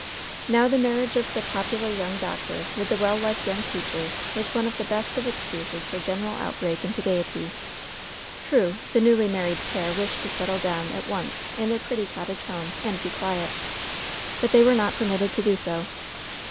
Now the marriage of the popular young doctor with the well liked young teacher was one of the best of ex cuses for general outbreak into gayety. True, the newly married pair wished to settle down at once in their pretty cottage home, and be quiet. But they were not to be permitted to do so.